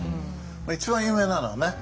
一番有名なのはね